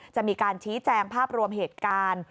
จะมีการชี้แจงภาพรวมเหตุการณ์